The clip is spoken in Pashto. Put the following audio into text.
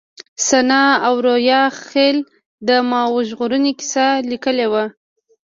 سناء اوریاخيل د ما وژغورئ کيسه ليکلې ده